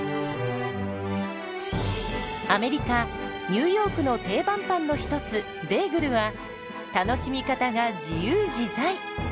アメリカ・ニューヨークの定番パンの一つベーグルは楽しみ方が自由自在！